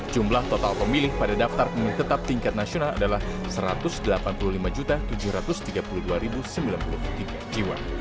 jumlah total pemilih pada daftar pemilih tetap tingkat nasional adalah satu ratus delapan puluh lima tujuh ratus tiga puluh dua sembilan puluh tiga jiwa